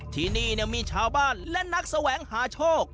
ที่นี่มีชาวบ้านและนักแสวงหาโชค